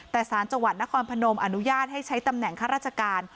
แต่สารจังหวัดนครพนมอนุญาตให้ใช้ตำแหน่งข้าราชการ